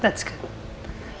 itu bagus itu bagus